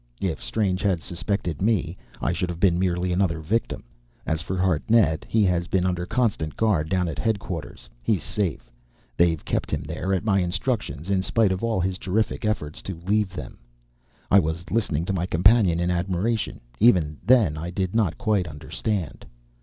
If Strange had suspected me, I should have been merely another victim. As for Hartnett, he has been under constant guard down at headquarters. He's safe. They've kept him there, at my instructions, in spite of all his terrific efforts to leave them." I was listening to my companion in admiration. Even then I did not quite understand.